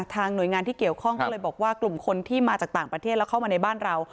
หน่วยงานที่เกี่ยวข้องก็เลยบอกว่ากลุ่มคนที่มาจากต่างประเทศแล้วเข้ามาในบ้านเรา